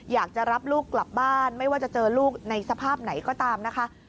อยากจะรับลูกกลับบ้านไม่ว่าจะเจอลูกในสภาพไหนก็ตามนะคะ